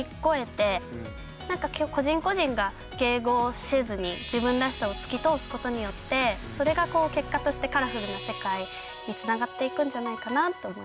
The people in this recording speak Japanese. なんか個人個人が迎合せずに自分らしさを突き通すことによってそれが結果としてカラフルな世界につながっていくんじゃないかなと思いました。